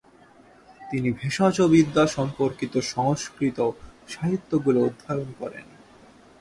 তিনি ভেষজবিদ্যা সম্পর্কিত সংস্কৃত সাহিত্যগুলো অধ্যয়ন করেন।